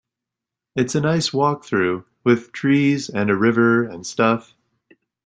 It's a nice walk though, with trees and a river and stuff.